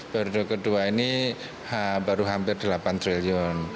periode kedua ini baru hampir delapan triliun